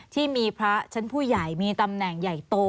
ที่มีพระชั้นผู้ใหญ่มีตำแหน่งใหญ่โต